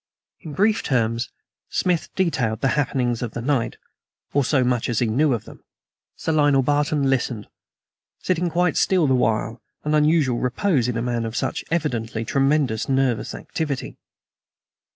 In brief terms Smith detailed the happenings of the night or so much as he knew of them. Sir Lionel Barton listened, sitting quite still the while an unusual repose in a man of such evidently tremendous nervous activity.